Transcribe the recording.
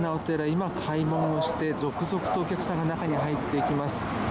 今、開門をして続々とお客さんが中に入っていきます。